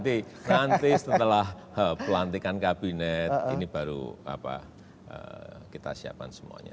ya nanti lah nanti setelah pelantikan kabinet ini baru kita siapkan semuanya